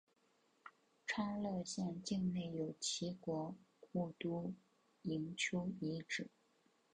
昌乐县境内有齐国故都营丘遗址。